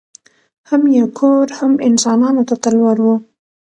هم یې کور هم انسانانو ته تلوار وو